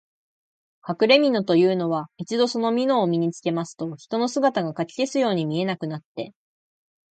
かくれみのというのは、一度そのみのを身につけますと、人の姿がかき消すように見えなくなって、